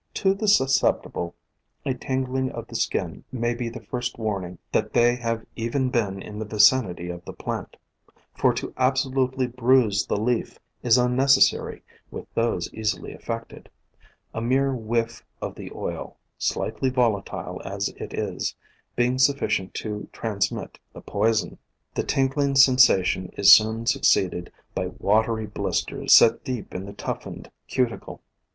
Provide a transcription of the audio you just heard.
To the susceptible a tin gling of the skin may be the first warning that POISONOUS PLANTS 165 they have even been in the vicinity of the plant; for to absolutely bruise the leaf is unnecessary with those easily affected, a mere whiff of the oil, slightly volatile as it is, being sufficient to trans mit the poison. The tingling sensation is soon succeeded by watery blisters set deep in the tough ened cuticle.